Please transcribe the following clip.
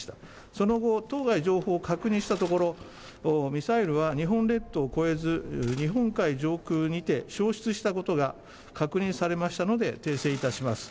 その後、当該情報を確認したところ、ミサイルは日本列島を越えず、日本海上空にて消失したことが確認されましたので、訂正いたします。